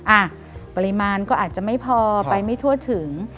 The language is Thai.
อ่ะปริมาณก็อาจจะไม่พอไปไม่ทั่วถึง